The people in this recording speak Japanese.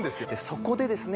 そこでですね